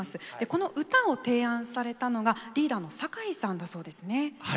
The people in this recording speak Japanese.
この歌を提案されたのがリーダーの酒井さんだそうですね。